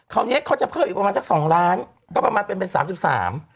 คราวนี้เขาจะเพิ่มอีกประมาณสัก๒ล้านประมาณเป็น๓๓พฤษภาคม